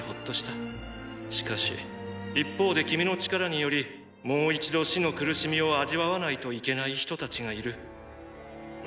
しかし一方で君の力によりもう一度死の苦しみを味わわないといけない人たちがいる。